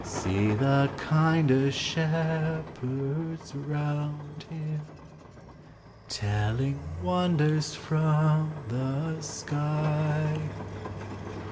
See the kinder shepherds round him, Telling wonders from the sky!